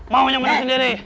maunya menang sendiri